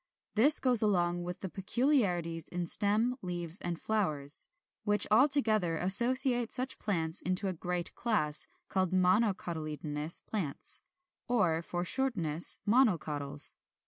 This goes along with peculiarities in stem, leaves, and flowers, which all together associate such plants into a great class, called MONOCOTYLEDONOUS PLANTS, or, for shortness, MONOCOTYLS.